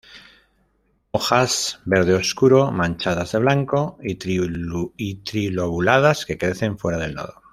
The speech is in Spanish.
Hojas verde oscuro manchadas de blanco y tri-lobuladas que crecen fuera del nodo.